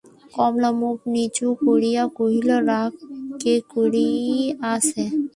কমলা মুখ নিচু করিয়া কহিল, রাগ কে করিয়াছে?